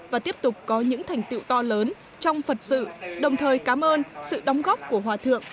và tiếp tục có những thành tiệu to lớn trong phật sự đồng thời cảm ơn sự đóng góp của hòa thượng